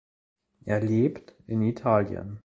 Er lebt in Italien.